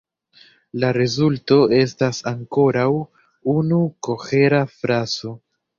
La rezulto estas ankoraŭ unu kohera frazo.